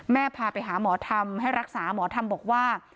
พาไปหาหมอธรรมให้รักษาหมอธรรมบอกว่า